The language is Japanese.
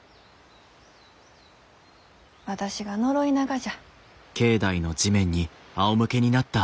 私が呪いながじゃ。